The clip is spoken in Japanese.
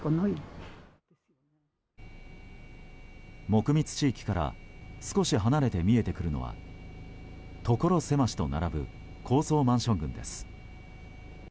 木密地域から少し離れて見えてくるのはところ狭しと並ぶ高層マンション群です。